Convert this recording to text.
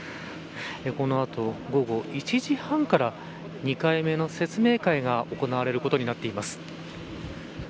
このあと、午後１時半から２回目の説明会が行われることになっています。